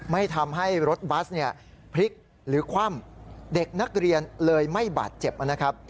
ไม่ทำให้รถบัสเนี่ยพลิกหรือคว่ำเด็กนักเรียนเลยไม่บาดเจ็บนะครับ